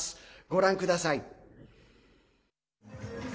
ご覧ください。